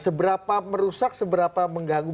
seberapa merusak seberapa mengganggu